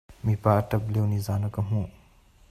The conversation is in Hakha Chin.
Mipa a ṭap lio nizaan ah ka hmuh.